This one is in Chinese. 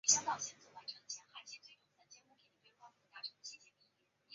这座建筑和汉德瓦萨的其他建筑一样引起了巨大的争议。